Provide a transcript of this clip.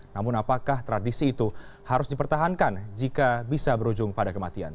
namun apakah tradisi itu harus dipertahankan jika bisa berujung pada kematian